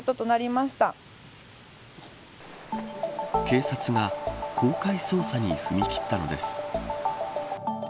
警察が公開捜査に踏み切ったのです。